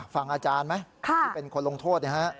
ฟังอาจารย์ไหมที่เป็นคนลงโทษนะฮะ